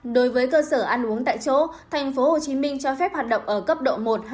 đối với cơ sở ăn uống tại chỗ tp hcm cho phép hoạt động ở cấp độ một hai